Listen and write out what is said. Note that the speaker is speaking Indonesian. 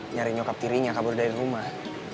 nyari nyokap tirinya kabur dari rumah